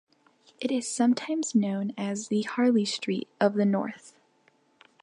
It is sometimes known as the "Harley Street of the North".